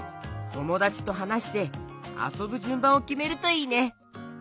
ともだちとはなしてあそぶじゅんばんをきめるといいね！